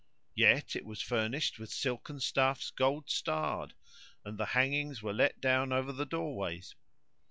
Yet it was furnished with silken stuffs gold starred; and the hangings were let down over the door ways.